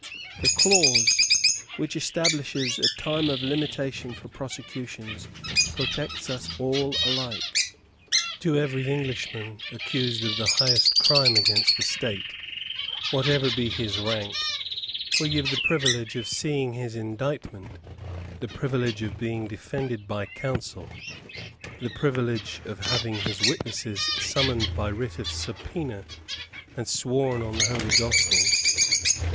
The clause which establishes a time of limitation for prosecutions protects us all alike. To every Englishman accused of the highest crime against the state, whatever be his rank, we give the privilege of seeing his indictment, the privilege of being defended by counsel, the privilege of having his witnesses summoned by writ of subpoena and sworn on the Holy Gospels.